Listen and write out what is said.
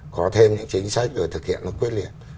có thêm những chính sách rồi thực hiện nó quyết liệt